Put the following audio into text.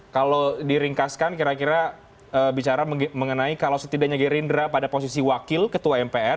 kalau diringkaskan kira kira bicara mengenai kalau setidaknya gerindra pada posisi wakil ketua mpr